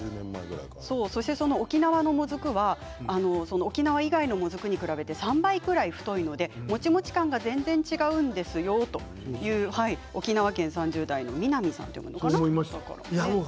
沖縄のもずくは沖縄以外のもずくに比べて３倍ぐらい太いのでもちもち感が全然違うんですよと沖縄県３０代の方からいただきました。